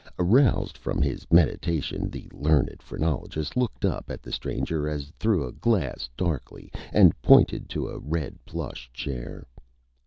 Aroused from his Meditation, the Learned Phrenologist looked up at the Stranger as through a Glass, darkly, and pointed to a Red Plush Chair.